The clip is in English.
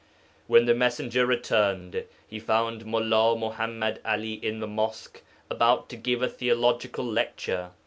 When the messenger returned he found Mullā Muḥammad 'Ali in the mosque about to give a theological lecture.